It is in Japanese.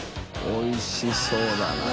おいしそうだな。